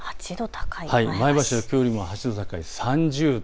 前橋はきょうより８度高い３０度。